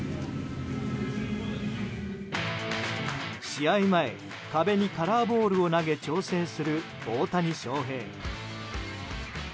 試合前壁にカラーボールを投げ調整する大谷翔平。